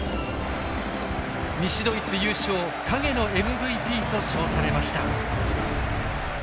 西ドイツ優勝「影のＭＶＰ」と称されました。